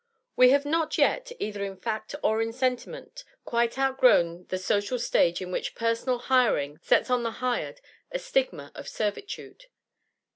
We have not yet, either in fact or in sentiment, quite outgrown the social stage in which personal hiring sets on the hired a stigma of servitude.